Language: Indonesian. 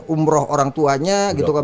umroh orang tuanya gitu kan